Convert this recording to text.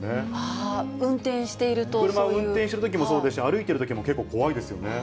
ああ、運転していると、車を運転してるときもそうですし、歩いてるときも結構怖いですよね。